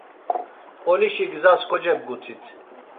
Mp̌olişi gzas kocebgutit.